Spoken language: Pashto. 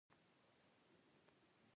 یو اړخیز امتیازات له منځه لاړل.